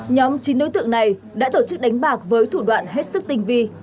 nhóm chín đối tượng này đã tổ chức đánh bạc với thủ đoạn hết sức tinh vi